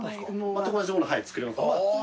全く同じもの作れます。